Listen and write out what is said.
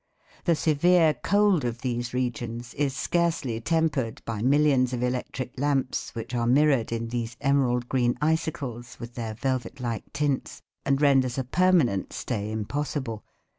The severe cold of these regions is scarcely tempered by millions of electric lamps which are mirrored in these emerald green icicles with their velvet like tints and renders a permanent stay impossible.